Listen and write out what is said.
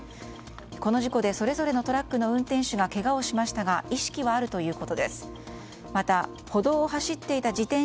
この事故でそれぞれのトラックの運転手がけがをしましたがソフティモ毛穴気になるＣ。